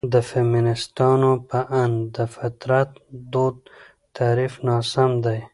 د فيمنستانو په اند: ''...د فطرت دود تعريف ناسم دى.